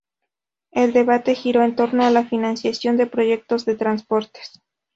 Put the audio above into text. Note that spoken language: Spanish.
El debate giró en torno la financiación de proyectos de transportes.